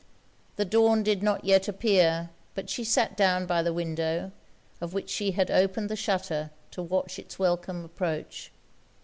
The dawn did not yet appear; but she sat down by the window, of which she had opened the shutter to watch it's welcome approach.